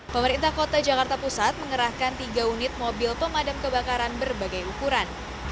pemerintah kota jakarta pusat mengerahkan tiga unit mobil pemadam kebakaran berbagai ukuran